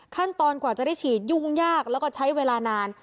กว่าจะได้ฉีดยุ่งยากแล้วก็ใช้เวลานาน